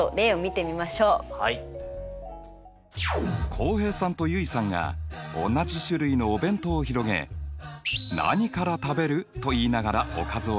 浩平さんと結衣さんが同じ種類のお弁当を広げ「何から食べる？」と言いながらおかずを選んでいます。